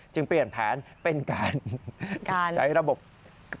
ตอนแรกก็ไม่แน่ใจนะคะ